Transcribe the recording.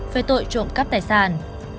về tội trộm cấp tài sản